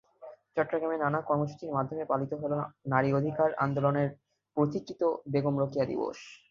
চট্টগ্রামে নানা কর্মসূচির মাধ্যমে পালিত হলো নারী অধিকার আন্দোলনের পথিকৃৎ বেগম রোকেয়া দিবস।